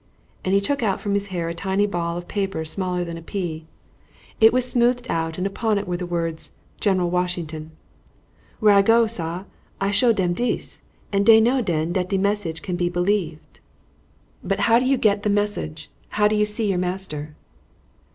And he took out from his hair a tiny ball of paper smaller than a pea. It was smoothed out, and upon it, were the words, "General Washington." "Where I go, sar, I show dem dis, and dey know den dat de message can be believed." "But how do you get the message? How do you see your master?"